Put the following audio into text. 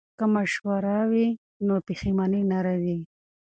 که مشوره وي نو پښیماني نه راځي.